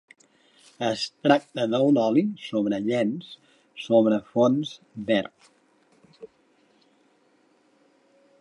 Es tracta d'un oli sobre llenç sobre fons verd.